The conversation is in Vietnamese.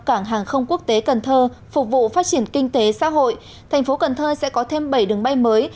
cảng hàng không quốc tế cần thơ phục vụ phát triển kinh tế xã hội tp cnh sẽ có thêm bảy đường bay mới